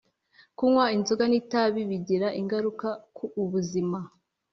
kunywa inzoga ni tabi bigira ingaruka ku ubuzima